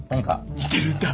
似てるんだ。